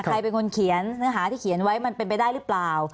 ใครเป็นคนเขียนเนื้อหาที่เขียนไว้มันเป็นไปได้หรือเปล่า